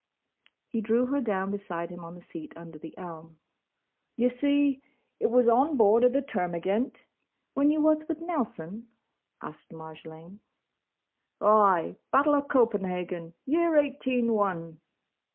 He drew her down beside him on the seat under the elm. "Ye see, it was on board o' the Termagant—" "When you was with Nelson?" asked Marjolaine. "Ay. Battle o' Copenhagen; year Eighteen one."